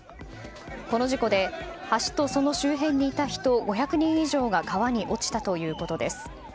この事故で橋とその周辺にいた人５００人以上が川に落ちたということです。